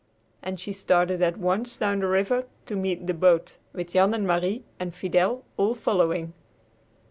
And she started at once down the river to meet the boat, with Jan and Marie and Fidel all following.